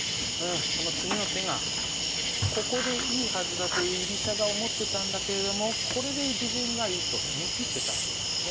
この次の手がここでいいはずだと居飛車が思ってたんだけれどもこれで自分がいいと見きってたわけですね。